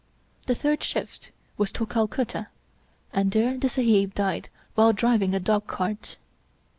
The third shift was to Calcutta, and there the Sahib died while driving a dog cart.